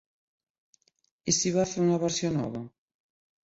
I si va fer una versió nova?